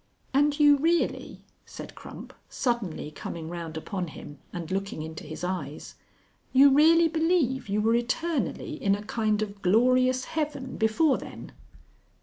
"And you really," said Crump, suddenly coming round upon him and looking into his eyes; "You really believe you were eternally in a kind of glorious heaven before then?"